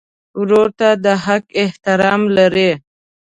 ورور ته د حق احترام لرې.